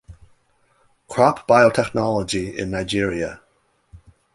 Crop Biotechnology in Nigeria.